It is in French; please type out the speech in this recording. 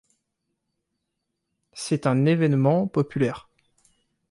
C'est un événement populaire.